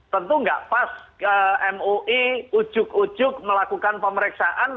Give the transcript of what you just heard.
tentu nggak pas mui ujuk ujuk melakukan pemeriksaan